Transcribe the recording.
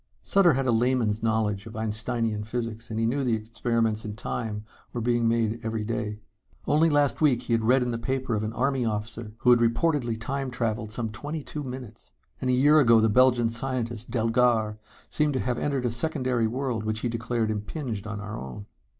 Sutter had a layman's knowledge of Einsteinian physics, and he knew that experiments in Time were being made every day. Only last week he had read in the paper of an army officer who had reportedly Time traveled some twenty two minutes. And a year ago the Belgian scientist, Delgar, claimed to have entered a secondary world which he declared impinged on our own.